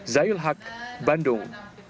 zayul haq bandung